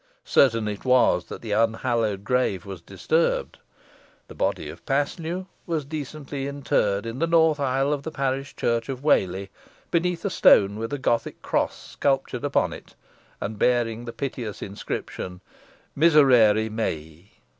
Certain it was, that the unhallowed grave was disturbed. The body of Paslew was decently interred in the north aisle of the parish church of Whalley, beneath a stone with a Gothic cross sculptured upon it, and bearing the piteous inscription: "Miserere mei."